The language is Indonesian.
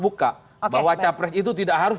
buka bahwa capres itu tidak harus